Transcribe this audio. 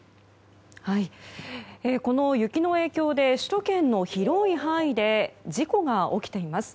この雪の影響で首都圏の広い範囲で事故が起きています。